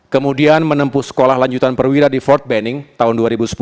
kemudian menempuh sekolah lanjutan perwira di forld banking tahun dua ribu sepuluh